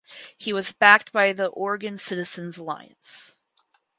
He was backed by the Oregon Citizens Alliance.